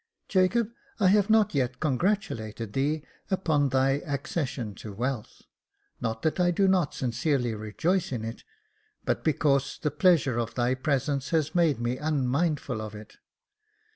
" Jacob, I have not yet congratulated thee upon thy accession to wealth ; not that I do not sincerely rejoice in it, but because the pleasure of thy presence has made me unmindful of it.